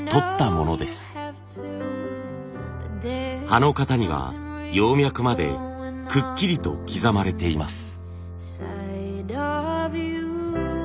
葉の型には葉脈までくっきりと刻まれています。